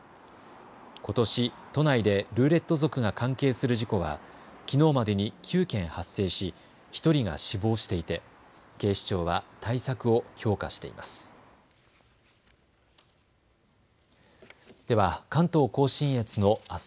ことし都内でルーレット族が関係する事故はきのうまでに９件発生し１人が死亡していて警視庁は対策を強化しています。